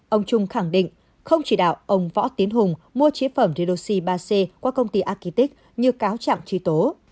ông trung khẳng định không chỉ đạo ông võ tiến hùng mua chế phẩm redoxi ba c qua công ty arketik như cáo chẳng trí tố